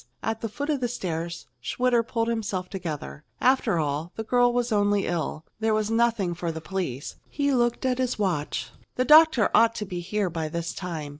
At the foot of the stairs, Schwitter pulled himself together. After all, the girl was only ill. There was nothing for the police. He looked at his watch. The doctor ought to be here by this time.